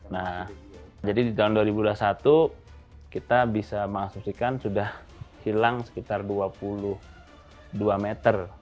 nah jadi di tahun dua ribu dua puluh satu kita bisa mengasumsikan sudah hilang sekitar dua puluh dua meter